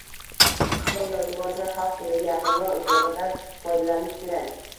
Ammo iloji boricha xalq tiliga yaqinroq ifodadan foydalanish kerak